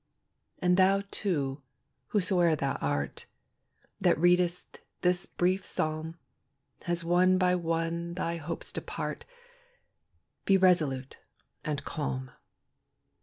And thou, too, whosoe'er thou art, That readest this brief psalm, As one by one thy hopes depart, Be resolute and calm.